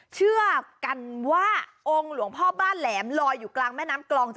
เชื่อกันว่าองค์หลวงพ่อบ้านแหลมลอยอยู่กลางแม่น้ำกลอง